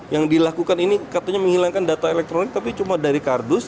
yang dilakukan ini katanya menghilangkan data elektronik tapi cuma dari kardus